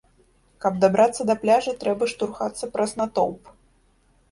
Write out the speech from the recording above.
Каб дабрацца да пляжа, трэба штурхацца праз натоўп.